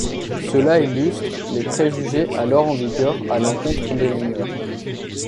Cela illustre les préjugés alors en vigueur à l'encontre des mineurs.